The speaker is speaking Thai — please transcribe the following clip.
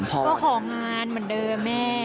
ก็ของานเหมือนเดิมแม่